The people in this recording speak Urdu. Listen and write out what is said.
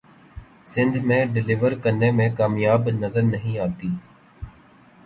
سندھ میں ڈیلیور کرنے میں کامیاب نظر نہیں آتی